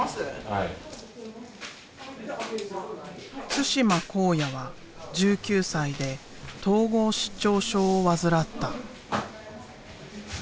對馬考哉は１９歳で統合失調症を患った。